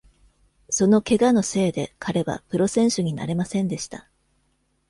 その怪我のせいで彼はプロ選手になれませんでした。